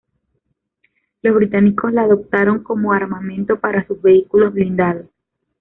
Los británicos la adoptaron como armamento para sus vehículos blindados.